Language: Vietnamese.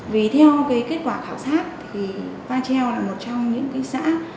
vì theo kết quả khảo sát thì pha treo là một trong những xã